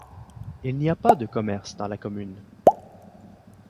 Il n'y a pas de commerce dans la commune.